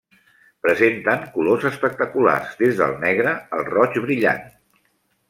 Presenten colors espectaculars, des del negre al roig brillant.